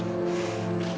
aku gak mau